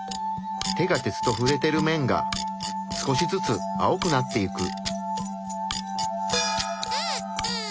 手が鉄とふれてる面が少しずつ青くなっていく。